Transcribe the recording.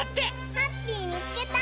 ハッピーみつけた！